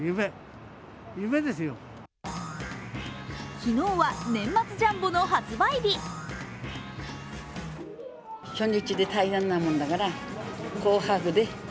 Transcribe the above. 昨日は年末ジャンボの発売日。